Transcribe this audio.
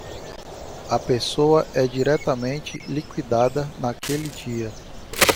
A pessoa é diretamente liquidada naquele dia.